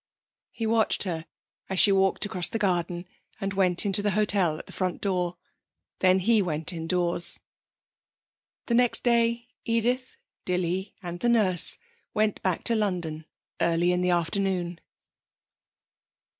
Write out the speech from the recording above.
He watched her as she walked across the garden and went into the hotel at the front door. Then he went indoors. The next day Edith, Dilly and the nurse went back to London early in the afternoon.